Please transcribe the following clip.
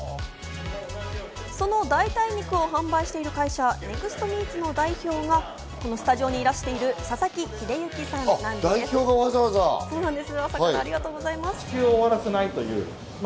その代替肉を販売している会社、ネクストミーツの代表がスタジオにいらしている佐々木英之さんです。